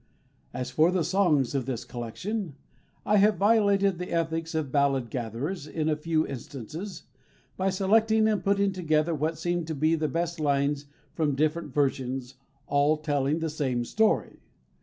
As for the songs of this collection, I have violated the ethics of ballad gatherers, in a few instances, by selecting and putting together what seemed to be the best lines from different versions, all telling the same story.